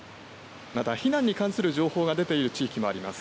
また避難に関する情報が出ている地域もあります。